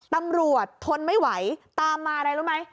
ทนไม่ไหวตามมาอะไรรู้ไหม